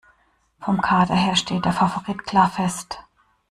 Vom Kader her steht der Favorit klar fest.